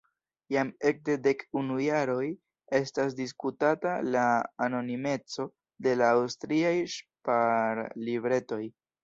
Jam ekde dek unu jaroj estas diskutata la anonimeco de la aŭstriaj ŝparlibretoj.